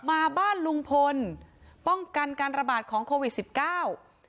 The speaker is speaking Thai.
มาบ้านลุงพลป้องกันการระบาดของโควิดสิบเก้า